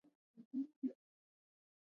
زۀ به ئې فرېنډ لسټ ته اېډ کړم -